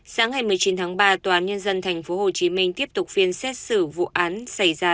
sáng ngày một mươi chín tháng ba tòa án nhân dân tp hcm tiếp tục phiên xét xử vụ án xảy ra